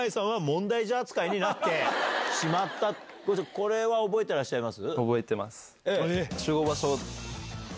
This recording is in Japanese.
これは覚えてらっしゃいます？